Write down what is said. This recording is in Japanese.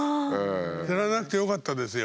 知らなくてよかったですよ。